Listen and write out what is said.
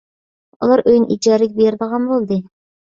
ئۇلار ئۆيىنى ئىجارىگە بېرىدىغان بولدى.